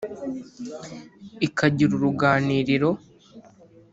ikagira uruganiriro